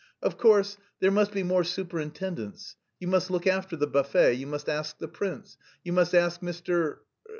Of course there must be more superintendence: you must look after the buffet; you must ask the prince, you must ask Mr....